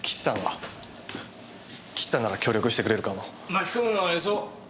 巻き込むのはよそう。